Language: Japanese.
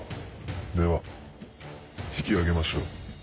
では引き揚げましょう。